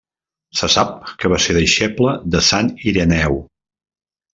Se sap que va ser deixeble de Sant Ireneu.